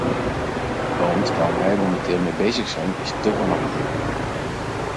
Want waar wij momenteel mee bezig zijn is te gemakkelijk.